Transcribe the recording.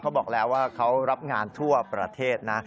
บอกแล้วว่าเขารับงานทั่วประเทศนะ